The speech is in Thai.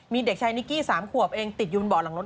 มีเด็กชายนิกกี้๓ขวบเองติดอยู่บนเบาะหลังรถ